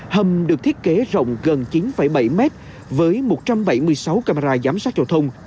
hầm được thiết kế rộng gần chín bảy mét với một trăm bảy mươi sáu camera giám sát giao thông